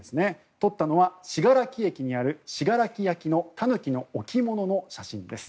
撮ったのは信楽駅にある信楽駅のタヌキの置物の写真です。